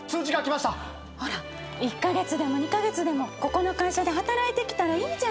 １カ月でも２カ月でもここの会社で働いたらいいじゃない。